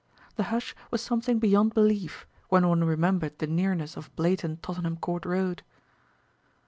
The hush was something beyond belief, when one remembered the nearness of blatant Tottenham Court Road.